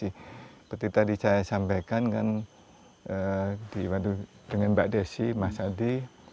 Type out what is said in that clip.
seperti tadi saya sampaikan kan dengan mbak desi mas adi